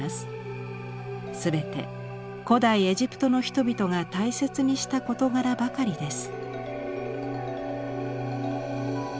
全て古代エジプトの人々が大切にした事柄ばかりです。